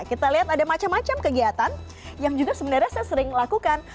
kita lihat ada macam macam kegiatan yang juga sebenarnya saya sering lakukan